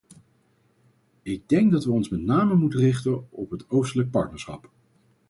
Ik denk dat we ons met name moeten richten op het oostelijk partnerschap.